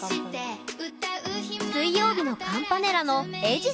水曜日のカンパネラ。